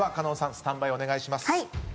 スタンバイお願いします。